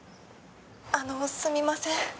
「あのすみません」